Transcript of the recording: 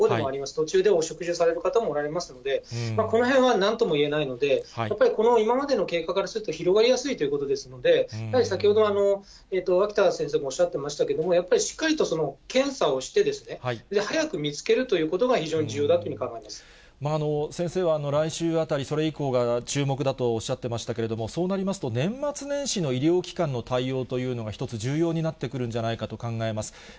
途中でお食事をされる方もおられますので、このへんはなんとも言えないので、やっぱりこの今までの経過からすると、広がりやすいということですので、先ほど、脇田先生もおっしゃっていましたけれども、やっぱりしっかりと検査をして、早く見つけるということが、先生は来週あたり、それ以降が注目だとおっしゃってましたけれども、そうなりますと、年末年始の医療機関の対応というのが、ひとつ重要になってくるんじゃないかと考えます。